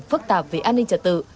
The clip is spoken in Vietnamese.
phức tạp về an ninh trật tự